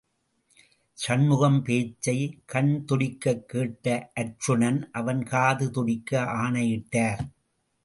சண்முகம் பேச்சை, கண் துடிக்கக் கேட்ட அர்ச்சுனன், அவன் காது துடிக்க ஆணையிட்டார்.